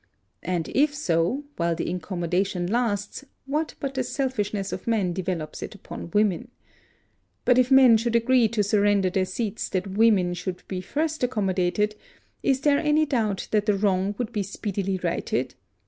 And, if so, while the incommodation lasts, what but the selfishness of men devolves it upon women! But if men should agree to surrender their seats that women should be first accommodated, is there any doubt that the wrong would be speedily righted?